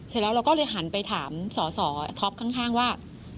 เสร็จเราก็หันไปถามศศท๊อปข้างว่า